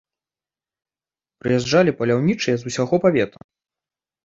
Прыязджалі паляўнічыя з усяго павета.